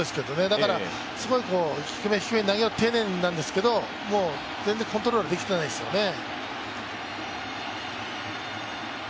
だからすごい低め、低めに、丁寧になんですけと全然コントロールができてないですよね。